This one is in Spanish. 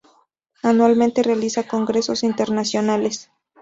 Anualmente realiza congresos internacionales.